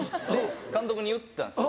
監督に言ったんですよ